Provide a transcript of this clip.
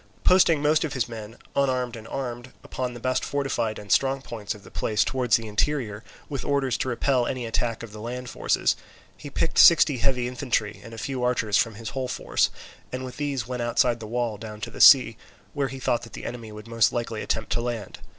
Posting most of his men, unarmed and armed, upon the best fortified and strong points of the place towards the interior, with orders to repel any attack of the land forces, he picked sixty heavy infantry and a few archers from his whole force, and with these went outside the wall down to the sea, where he thought that the enemy would most likely attempt to land.